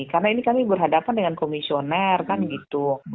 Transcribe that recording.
karena ini kami berhadapan dengan komisioner kan gitu